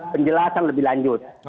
penjelasan lebih lanjut